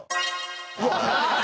うわっ！